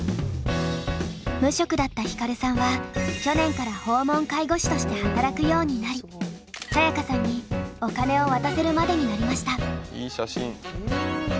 無職だったヒカルさんは去年から訪問介護士として働くようになりサヤカさんにお金を渡せるまでになりました。